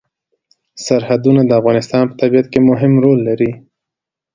سرحدونه د افغانستان په طبیعت کې مهم رول لري.